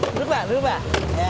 duduk pak duduk pak